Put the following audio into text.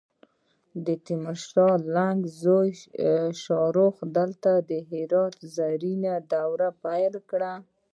د تیمور لنګ زوی شاهرخ دلته د هرات زرین دور پیل کړ